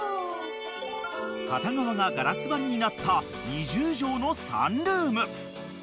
［片側がガラス張りになった２０畳のサンルーム］